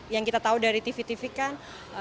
yang kita tahu dari tv tv kan